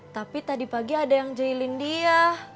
tapi tadi pagi ada yang jailin dia